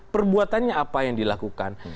perbuatannya apa yang dilakukan